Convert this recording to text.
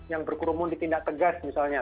yang berkerumun di tindak tegas misalnya